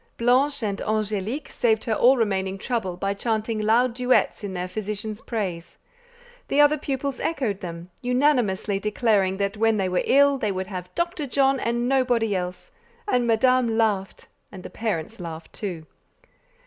Blanche and Angélique saved her all remaining trouble by chanting loud duets in their physician's praise; the other pupils echoed them, unanimously declaring that when they were ill they would have Dr. John and nobody else; and Madame laughed, and the parents laughed too.